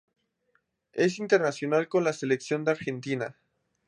Es internacional con la selección de Argentina.